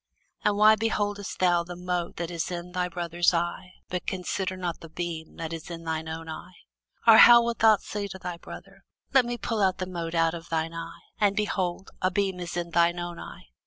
And why beholdest thou the mote that is in thy brother's eye, but considerest not the beam that is in thine own eye? Or how wilt thou say to thy brother, Let me pull out the mote out of thine eye; and, behold, a beam is in thine own eye?